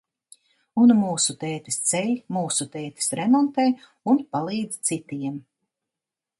Un mūsu tētis ceļ, mūsu tētis remontē un palīdz citiem.